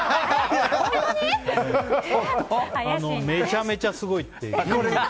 めちゃめちゃすごいっていう。